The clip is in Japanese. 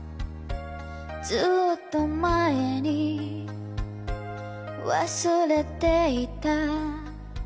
「ずっと前に忘れていた」